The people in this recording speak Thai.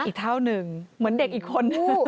อีกเท่าหนึ่งเหมือนเด็กอีกคนนึง